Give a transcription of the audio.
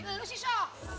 lelu sih so